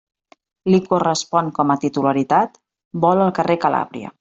Li correspon com a titularitat, vol al carrer Calàbria.